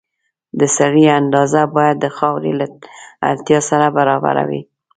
د سرې اندازه باید د خاورې له اړتیا سره برابره وي.